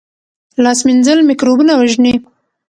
لاس مینځل مکروبونه وژني